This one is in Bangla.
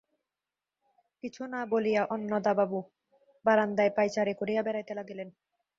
কিছু না বলিয়া অন্নদাবাবু বারান্দায় পায়চারি করিয়া বেড়াইতে লাগিলেন।